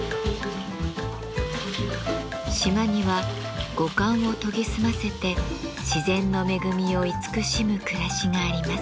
島には五感を研ぎ澄ませて自然の恵みを慈しむ暮らしがあります。